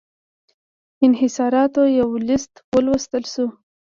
انحصاراتو یو لېست ولوستل شو.